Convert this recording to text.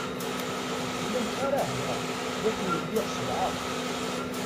Ulamek ara hedreɣ seg akken lliɣ sebεeɣ.